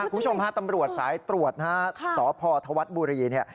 คุณผู้ชมตำรวจสายตรวจสพธวรรษบุรี